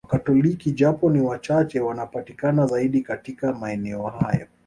Wakatoliki japo ni wachache wanapatikana zaidi katika maeneo hayo